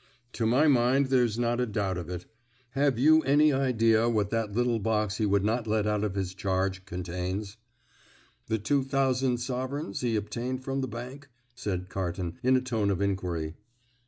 "To my mind there's not a doubt of it. Have you any idea what that little box he would not let out of his charge contains?" "The two thousand sovereigns he obtained from the bank," said Carton, in a tone of inquiry.